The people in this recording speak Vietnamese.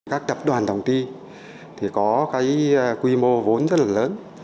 các tập đoàn tổng ti thì có cái quy mô vốn rất là lớn